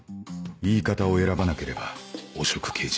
言い方を選ばなければ汚職刑事